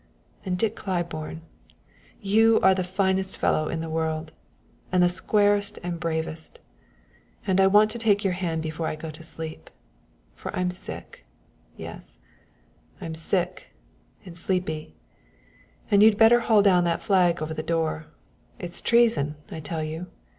and Dick Claiborne, you are the finest fellow in the world, and the squarest and bravest, and I want to take your hand before I go to sleep; for I'm sick yes, I'm sick and sleepy and you'd better haul down that flag over the door it's treason, I tell you!